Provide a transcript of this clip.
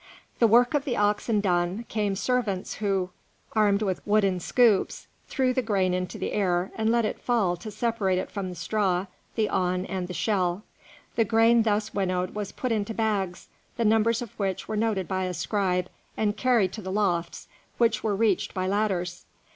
The work of the oxen done, came servants who, armed with wooden scoops, threw the grain into the air and let it fall to separate it from the straw, the awn, and the shell. The grain thus winnowed was put into bags, the numbers of which were noted by a scribe, and carried to the lofts, which were reached by ladders.